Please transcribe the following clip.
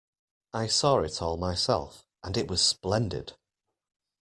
I saw it all myself, and it was splendid.